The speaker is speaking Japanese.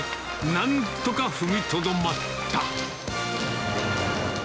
なんとか踏みとどまった。